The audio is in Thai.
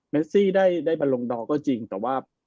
เมซิได้ได้บรรลวงดอลก็จริงแต่ว่า